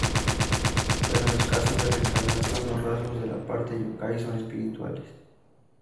Pero en los casos de reencarnación, los rasgos de la parte yōkai son espirituales.